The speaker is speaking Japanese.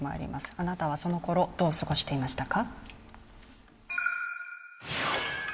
あなたはその頃、どう過ごしていましたか？